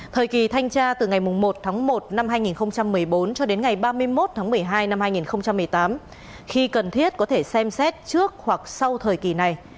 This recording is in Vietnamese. thời kỳ thanh tra từ ngày một tháng một năm hai nghìn một mươi bốn cho đến ngày ba mươi một tháng một mươi hai năm hai nghìn một mươi tám khi cần thiết có thể xem xét trước hoặc sau thời kỳ này